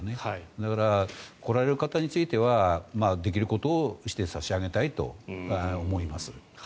だから、来られる方についてはできることをしてさし上げたいと思います。